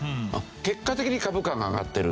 結果的に株価が上がってる。